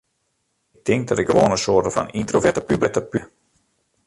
Ik tink dat ik gewoan in soarte fan yntroverte puber wie.